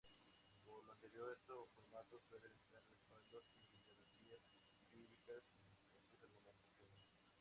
Por lo anterior, este formato suele necesitar respaldos y garantías empíricas en sus argumentaciones.